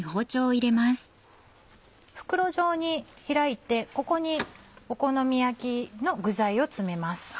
袋状に開いてここにお好み焼きの具材を詰めます。